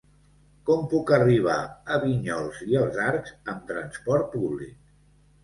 Com puc arribar a Vinyols i els Arcs amb trasport públic?